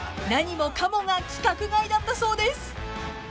［何もかもが規格外だったそうです］